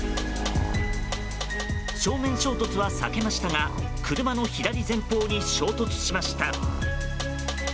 正面衝突は避けましたが車の左前方に衝突しました。